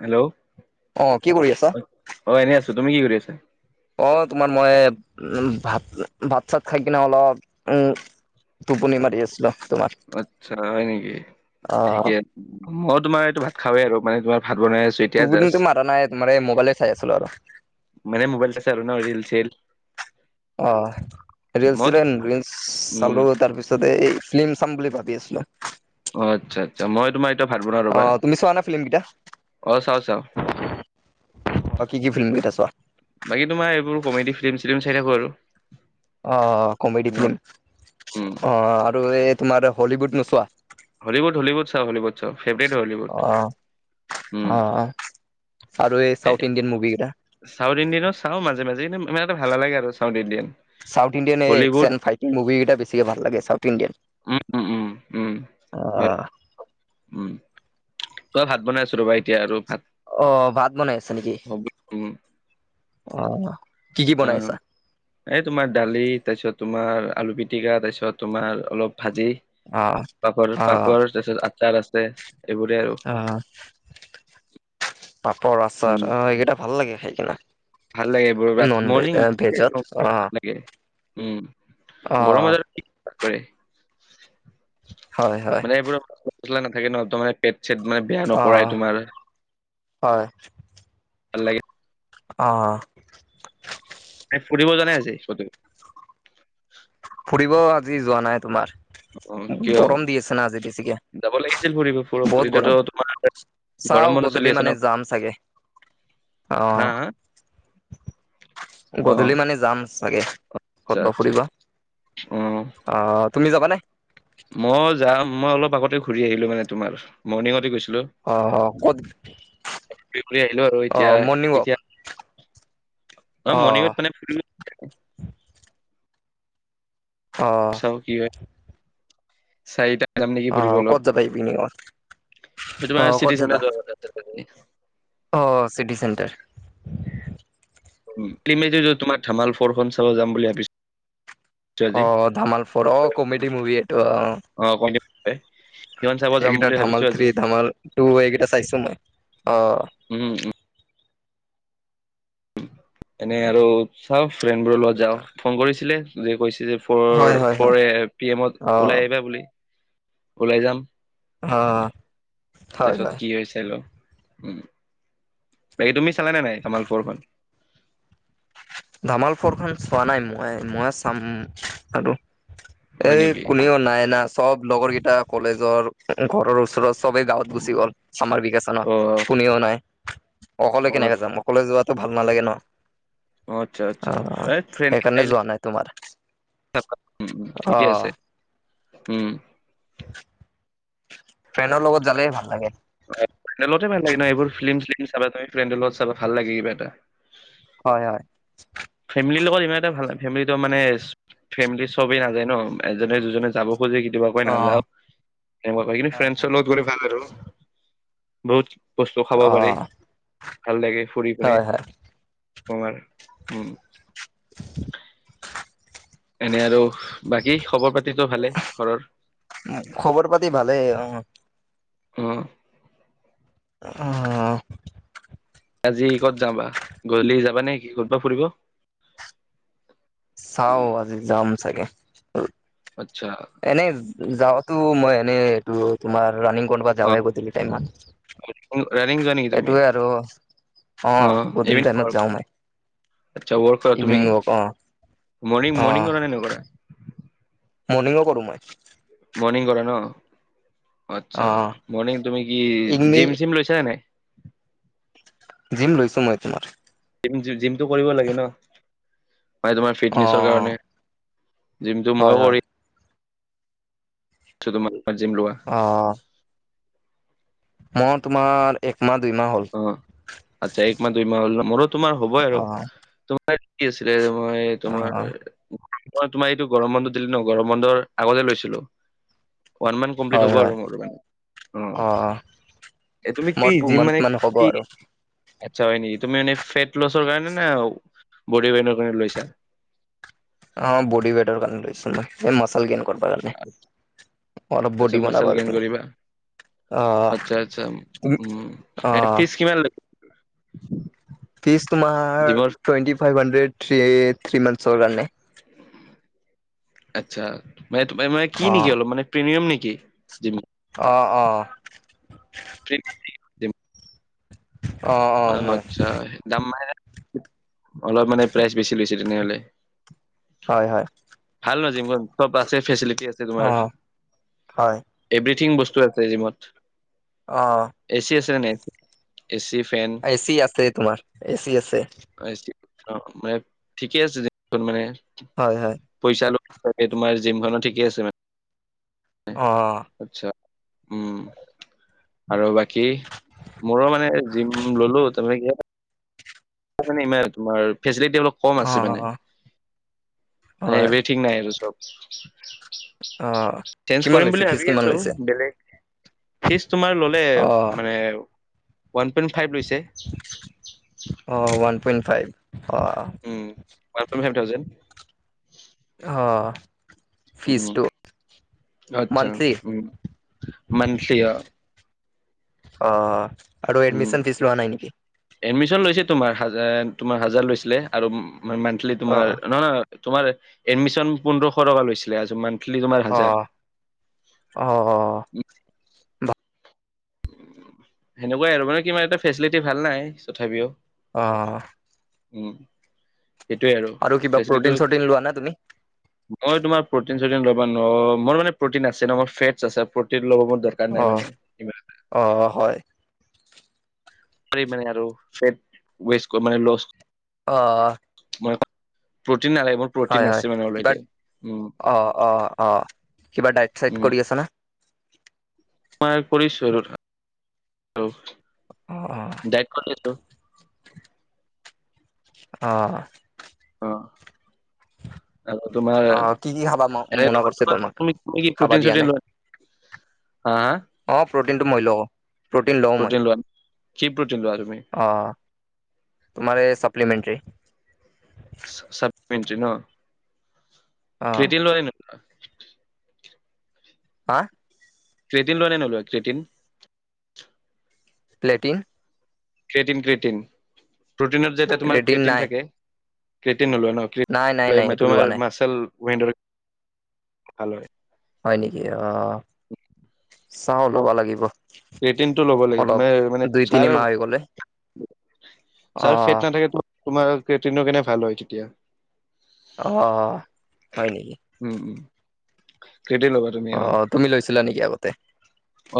Hello! অঁ, কি কৰি আছা? অঁ, এনেই আছোঁ। তুমি কি কৰি আছা? অঁ, তোমাৰ মই উম ভাত, ভাত-চাত খাই কিনে অলপ উম টোপনি মাৰি আছিলো তোমাৰ। আচ্ছা, হয় নেকি? ঠিকে, মই তোমাৰ এইটো ভাত খাওৱে আৰু মানে তোমাৰ ভাত বনাই আছে। এতিয়া জাষ্ট। টোপনিটো মাৰা নাই তোমাৰ এই মোবাইলে চাই আছিলো আৰু মানে, ম'বাইল চাই চাই আৰু ন' ৰীল চিয়েল। অঁহ্, ৰিয়েলচিদেণ্ট ৰীল উম চালোঁ তাৰপিছতে এই ফিল্ম চাম বুলি ভাবি আছিলোঁ। অঁ, আচ্ছা আচ্ছ মই তোমাৰ ভাত বনাও অ ৰ'বা! তুমি চোৱা নে ফিল্ম কেইটা অঁ, চাওঁ চাওঁ। বাকী কি ফিল্ম কেইটা চোৱা? বাকী তোমাৰ এইবোৰ কমেডি ফিল্ম-চিলম চাই থাকো আৰু। অঁ, অঁ অঁ কমেডী অ ফিল্ম, উম অঁ আৰু এই তোমাৰ হলিউড নোচোৱা? হলিউড, হলিউড চাওঁ, হলিউড চাওঁ ফেভাৰিট অ হলিউড উম। অ আৰু এই এ চাউথ ইণ্ডিয়ান মুভি কেইটা। চাউথ ইণ্ডিয়ানো চাওঁ মাজ মাজে। এনে ইমান এটা ভাল নালাগে আৰু চাউথ ইণ্ডিয়ান। চাউথ ইণ্ডিয়ান এই হলিউড এক্সন ফাইটিং মুভি কেইটা বেছিকে ভাল। চাউথ ইণ্ডিয়ান উক্, উম উম, উম অ হয়। উম, মই ভাত বনাই আছো ৰ'বা! এতিয়া আৰু ভাত অঁ, ভাত বনাই আছে নেকি? হ'ব উম অঁ। আঁ। এই তোমাৰ দালি, তাৰপিছত তোমাৰ আলু পিটিকা, তাৰপিত তোমাৰ অলপ ভাজি অ', পাপৰ, অ', পাপৰ তাৰপিছত আচাৰ আছে এইবোৰে আৰু। আঁ, পাপৰ, উম আচাৰ অ এইকেইটা ভাল লাগে খাই কিনে। ভাল লাগে এইবোৰ ভাত নন ভে মৰ্ণিং ভেজত [inaudible] অ', ভাল লাগে উম। গৰম [inaudible] অ', বজাৰ কৰে। হয়-হয়। [unintelligible] মানে এইবোৰত মচলা নাথাকে ন ত মানে পেট-চেট মানে [inaudible] অঁ! তোমাৰ হয়। [inaudible] ভাল লাগে। [inaudible] অঁ! [unintelligible] এনেই ফুৰিব যোৱা নাই আজি কতো? [inaudible] ফুৰিব আজি যোৱা নাই তোমাৰ। [inaudible] অ! কিয়? গৰম দি আছে না আজি বেছিকে। যাব লাগিছিল ফুৰিব [inaudible] ফুৰি এইটোতো তোমাৰ [inaudible] চাওঁ বন্ধ চলি গধূলি আছে ন মানে যাম চাগে। হা অঁ! হা [inaudible] গধূলি মানে যাম চাগে। [inaudible] আচ্ছা-আচ্ছা। ফুৰিব অঁ! [unintelligible] অ! তুমি যাবা নে? [inaudible] মই যাম। মই অলপ আগতে ঘূৰি আহিলো মানে তোমাৰ মৰ্ণিঙতে গৈছিলোঁ। অ', ক'ত [unintelligible] [inaudible] ঘূৰি-ঘূৰি আহিলো আৰু অ', মৰ্ণিং ৱাক এতিয়া-এতিয়া [unintelligible] নহয় অ', মৰ্ণিংত মানে ফুৰি [inaudible] অ', চাওঁ কি হয়? চাৰিটা [inaudible] যাম নেকি ফুৰিব অ', ক'ত অলপ। যাবা ইভিনিঙত [inaudible] অ', তোমাৰ চিটি চেণ্টাৰ যোৱা কথা [inaudible] অঁ! City centre. [unintelligible] [inaudible] তোমাৰ ধামাল ফ'ৰ খন চাব যাম বুলি ভাবিছো। অ! আজি ধামাল ফ'ৰ। অ! কমেডি মুভি এইটো অঁ। [inaudible] অ! ক [unintelligible] এইকেইটা ধামাল থ্ৰী, ধামাল টু এইকেইটা চাইছো মই। অ! [inaudible] উম-উম। [inaudible] এনে আৰু চাওঁ ফ্ৰেণ্ডবোৰৰ লগত যাওঁ ফোন কৰিছিলে যে কৈছে যে [unintelligible] হয় হয় হয় ফ'ৰ-ফ'ৰ এ পি এমত অ ওলাই আহিবা বুলি ওলাই যাম। অ [inaudible] [inaudible] তাৰপিছত কি হয় চাই লওঁ। উম! বাকী তুমি চালা নাই ধামাল ফৰ খন? [inaudible] ধামাল ফৰখন চোৱা নাই মই। মই চাম আৰু। [inaudible] হয় এই নেকি কোনেও নাই না [inaudible] চব লগৰ কেইটা কলেজৰ, ঘৰৰ ওচৰৰ [inaudible] চবেই গাঁৱত গুচি গ'ল চামাৰ অ অ ভেকেচনত। কোনেও নাই অকলে অ কেনেকে যাম অকলে যো [unintelligible] যোৱাটো ভাল নালাগে ন'। [inaudible] আচ্ছা আচ্ছা অ! সেইকাৰণে যোৱা নাই তোমাৰ। [inaudible] [inaudible] উম-উম, অ ঠিকে আছে। উম! [inaudible] ফ্ৰেণ্ডৰ লগত জালে ভাল লাগে। [inaudible] ভাল লাগে ন এইবোৰ ফিল্ম-চিলিম চাব গৈ ফ্ৰেণ্ডৰ লগত চাব ভাল লাগে কিবা এটা। হয়-হয়। [inaudible] ফেমিলিৰ লগত ইমান এটা ভাল নাই। ফেমিলিটো মানে? [inaudible] ফেমিলিৰ চবেই নাযায় ন? এজনে, দুজনে যাব খোজে [inaudible] কিব কয় অ নাযাওঁ হয় সেনেকুৱা [inaudible] কিন্তু হয় ফ্ৰেণ্ডচৰ লগত গ'লে ভাল আৰু। [unintelligible] বহুত বস্তু খাব অ পাৰি। ভাল লাগে ফুৰি পিনে হয় হয় তোমাৰ। [unintelligible] উম! [inaudible] [inaudible] এনেই আৰু বাকী খবৰ পাতিতো ভালে ঘৰৰ? [inaudible] [inaudible] খবৰ পাতি ভালেই অঁ। অঁহ [unintelligible] আজি ক'ত যাবা। গধূলি যাবা নে কি ক'ৰ'বাত ফুৰিব। চাও আজি যাম চাগে? আচ্ছা এনেই যাওতো মই এনে এইটো তোমাৰ ৰানিং কৰিবা অ', যাওঁৱেই গধূলি টাইমত, ৰানিং যোৱা নেকি তুমি এইটোৱে আৰু অঁ অ', গধূলি ইভিনিং টাইমত ৱৰ্ক, যাওঁ মই। আচ্ছা ৱৰ্ক কৰা তুমি, ইভিনিং ৱক অ', মৰ্ণিং মৰ্ণিং কৰা নে তুমি? মৰ্ণিংও কৰো মই। মৰ্ণিং কৰা ন, আচ্ছা অ', মৰ্ণিং তুমি কি ইভিনিং জিম চিম লৈছাে নাই। জিম লৈছো মই তোমাৰ। জিমটো কৰিব লাগে ন, ম তোমাৰ ফিটনেচৰ অ', কাৰণে। জিমটো ময়ো হয়, হয়। কৰি ছোঁ তোমাৰ এ জিম লোৱা। অঁ মই তোমাৰ এক মাহ দুই মাহ হ'ল। অঁ আচ্ছা এক মাহ দুই মাহ হ'ল, মোৰো তোমাৰ হ'বই আৰু। অ', কি আছিলে মই তোমাৰ অ', মই তোমাৰ এইটো গৰম বন্ধ দিলে ন', গৰম বন্ধৰ আগতে লৈছিলোঁ। ওৱান মান্থ কমপ্লিট হয়, হ'ব হয়। আৰু মোৰ মানে অ', অঁ তুমি মই কি টু জিম মান্থ মানে মান হ'ব কি আৰু আচ্ছা হয় নেকি, তুমি মানে ফেট লছৰ কাৰণে নে বডি পেইনৰ কাৰণে লৈছা। অঁ বডি ৱেটৰ কাৰণে লৈছো মই মাচল গেইন কৰিব কাৰণে। মই অলপ আচ্ছা বডি মাচল বনাব গেইন বিচাৰোঁ। কৰিবা আচ্ছা আচ্ছা উম, অ ফিচ কিমান লৈ ফিজ তোমাৰ জিমৰ twenty five hundred three three মন্তচৰ কাৰণে। আচ্ছা মানে মানে কি অ নেকি অলপ মানে প্ৰিমিয়াম নেকি? অঁ অঁ [inaudible] অ আচ্ছা দাম মানে অলপ মানে প্ৰাইচ বেছি লৈছে তেনেহলে। হয় হয়। ভাল নাজিম চব আছে ফেচিলিটি আছে তোমাৰ। অ হয় এভ্ৰিথিং বস্তু আছে জিমত। অঁ এ চি আছে নে নাই? এচি ফেন এ চি আছে তোমাৰ এ চি আছে এ চি অঁ মানে ঠিকে আছে দেন মানে হয় হয়। পইচা অলপ লাগে তোমাৰ জিম খনত ঠিকে আছে মানে। অঁ আচ্ছা, উম। আৰু বাকী মোৰো মানে জিম ললো তামানে কি হল তাৰমানে ইমান তোমাৰ ফেচিলিটী অলপ কম অ আছে মানে ন হয় এবিঠিং আৰু চব। অ চেঞ্জ কিমান কৰিম লৈছে বুলি ফিজ ভাবি কিমান আছো লৈছে বেলেগ। ফিচ তোমাৰ ল'লে অ মানে ওৱান পইণ্ট ফাইভ লৈছে। অঁ ওৱান পইণ্ট ফাইভ অঁ। উম ওৱান প‌ইন্ট ফাইভ থাউজেণ্ড। অ। উম ফিজটো আচ্ছা মান্থলি উম মানসিয়া। অ আৰু উম এডমিচন ফিজ লোৱা নাই নেকি। এডমিশন লৈছে তোমাৰ হাজ তোমাৰ হাজাৰ লৈছিলে আৰু মান্থলি অ তোমাৰ নহয় নহ। তোমাৰ এডমিশন পোন্ধৰশ টকা লৈছিলে আজমান। অ অ অ। সেনেকুৱাই আৰু মানে কিবা এটা ফেচিলিটি ভাল নাই তথাপিও। অ অ। উম সেইটোৱে আৰু কিবা ফেচিলিটো। প্ৰটিন চটিন লোৱা না তুমি? মই তোমাৰ প্ৰটিন চটিন ল'বা নোৱাৰো মই মানে প্ৰটিন আছে ন ফেটচ আছে প্ৰটিন ল'ব মন যায়। কানে মানে। ইমান অ' অ' হয়। পেই মানে আৰু চেপ উৱেচ কো মানে লুচ। অ'--অ। মই ক প্ৰ'টিন নালাগে মোৰ। প্ৰটিন হয় আছে হয় মানে কিবা অলৰেডি। উম অ' অ' অ' কিবা ডাইট চাইট উম কৰি আছা না। মই কৰিছো আৰু। অ অ। দাইট কতেছো। অ। অ। উ। তাৰ লগত তোমাৰ এনেটো‌ কৰিছে তোমাৰ তোমাক? তুমি খাবা প্ৰ'টিন দিয়া নাই? চতিন লোৱা। হা। অ' প্ৰটিনটো মই লওঁ প্ৰটিন লও মই কি প্ৰটিন লোৱা তুমি? আহ। মানে চাপ্লিমেন্তৰী। চা ছাপ্লিমেন্তৰী ন অ'। ক্ৰীতি লয় নে নলয়। হা। ক্ৰিতি লয় নে নলয় ক্ৰিতিম। প্লেটিং। ক্ৰেটিন ক্ৰেটিন প্ৰটিনত যেতিয়া তোমাৰ ক্ৰেটিন থাকে ক্ৰেটিন নলয় নহ। ক্ৰে নাই নাই প্লেটৰ নাই মানে এইটো লোৱা তোমাৰ নাই মাৰ্চেল মেন্তৰ ভাল হয়। হয় নেকি অ' চাওঁ ল'বা লাগিব। এটিএম টো ল'ব লাগিব অলপ তোমাৰ মানে দুই তিনি চাই। মাহ হৈ গ'লে ছাৰ অ', ফেট নাথাকে তোমাৰ এটিএমৰ কাৰণে ভাল হয় তেতিয়া। অ' অ'। হয় নেকি। উম উম সেইটোৱে ল'ব লাগিব। অ' তুমি লৈছিলা নেকি আগতে।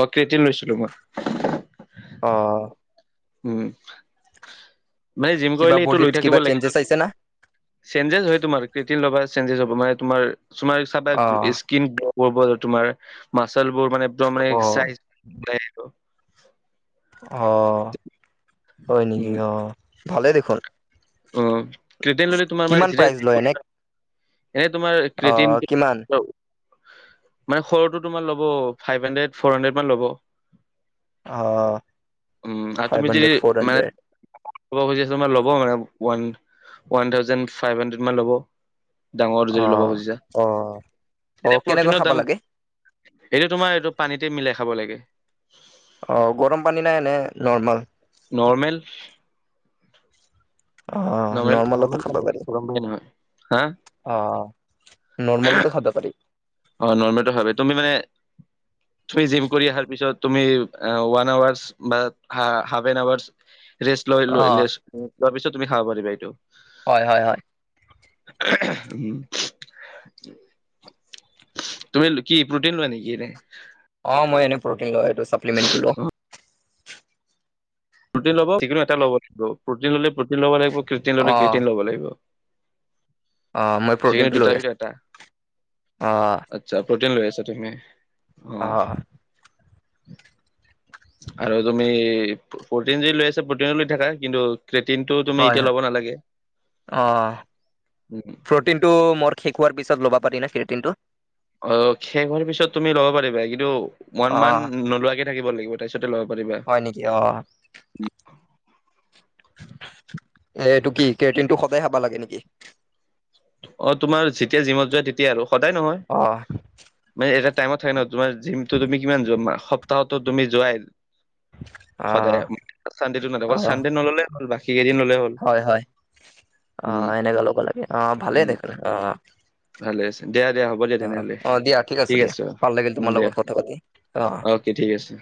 অ' ক্ৰেটিন লৈছিলো মই। অ'। উম মানে জিম কিবা কৰিলে এইটো লৈ বডিত থাকিব কিবা লাগিব না। চেঞ্জেছ আহিছে চেঞ্জছ হৈ তোমাৰ কৃটিন লবা চেঞ্জেছ হব মানে তোমাৰ কিছুমান হিচাপে। অ'। কিন্তু ওপৰত ওপৰ যে তোমাৰ মাচাল বোৰ মানে একমে মানে অ', চাই অ' হয় নেকি উম অ' ভালেই দেখোন। অ' ক্ৰিটিন ললে তোমাৰ মানে কিমান যেতিয়া প্ৰাইজ জিম লয় এনে? কৰিবা। এই তোমাৰ অ', ক্ৰিটিনতো কিমান? কি বাও। মানে সৰুটো তোমাৰ ল'ব ফাইভ হাণ্ড্ৰে ফৰ হাণ্ড্ৰে মান ল'ব। অ', উম আৰু ফাইভ তুমি যদি হাণ্ড্ৰেড, ফ'ৰ মানে। হাণ্ড্ৰেড। ল'ব খুজিছ মানে ল'ব ওৱান হাণ্ড্ৰে ফাইভ হাণ্ড্ৰে মান ল'ব ডাঙৰ যদি ল'ব অ'। খুজিছা অ'। অ', এনে কেনেকৈ প্ৰটিনৰ খাব দাম। লাগে? এইটো তোমাৰ এইটো পানীতে মিলাই খাব লাগে। অহ' গৰম পানী নাই নে নৰ্মেল। নৰ্মেল। অ' নৰ্মেল নৰ্মেলতো নৰ্মেল খাব পানী, পাৰি গৰম পানী নহয় হা অ'। নৰ্মেলতে খাবা পাৰি অহ' নৰ্মেলতে খাবি তুমি মানে। তুমি জিম কৰি অহাৰ পিছত তুমি ওৱান আৱাৰছ বা হাফ এন আৱাৰছ। ৰেষ্ট লৈ লৈ অ', ৰেষ্ট লোৱাৰ পিছত তুমি খাব পাৰিবা এইটো। হয় হয় হয়। হুহ উম তুমি কি প্ৰ'টিন লোৱা নেকি এনে। অহ মই এনে প্ৰ'টিন লও এইটো চাপ্লিমেণ্টো লও। প্ৰ'টিন লব যিকোনো এটা লব লাগিব প্ৰ'টিন ললে প্ৰ'টিন ল'ব লাগিব ক্ৰিয়েটিন ললে অ', ক্ৰিয়েটিন ল'ব লাগিব অ', মই যিকোনো প্ৰটিনটো লৈ দুটাৰ আছোঁ। ভিতৰত এটা অ', আচ্ছা প্ৰ'টিন লৈ আছা তুমি অ অহ। আৰু তুমি প্ৰ'টিন যি লৈ আছা প্ৰটিনে লৈ থাকা কিন্তু। ক্ৰিটিনটো তুমি হয়, এতিয়া ল'ব নালাগে। ক্ৰিটিনটো মোৰ শেষ হোৱাৰ পিছত ল'ব পাৰি নে ক্ৰিটিটো অ' শেষ হোৱাৰ পিছত তুমি ল'ব পাৰিবা কিন্তু। বৰ্তমান অ', নোলোৱাকে থাকিব লাগিব তাৰপিছতে ল'ব পাৰিবা। কিয়। এইটো কি ক্ৰিটিনটো সদায় খাবা লাগে নেকি। অ তোমাৰ যেতিয়া জিমত যোৱা তেতিয়া আৰু সদায় নহয়। অ', মানে এটা টাইমত থাকে ন তোমাৰ জিমটো তুমি কিমান যোৱা মাহ সপ্তাহতো তুমি যোৱাই। সদায় অ', চানডেটো অকল অ', চানডেটো নল'লে হ'ল বাকী কেইদিন ললে হ'ল। হয় হয় অ উম এনেকুৱা লব লাগে অহ ভালেই উম দেখোন অহ। ভালে আছে দিয়া দিয়া হ'ব দিয়া তেনেহ'লে অ', দিয়া ঠিক দিয়া আছে ভাল লাগিল উম তোমাৰ দিয়া লগত কথা পাতি অ। কি ঠিক আছে।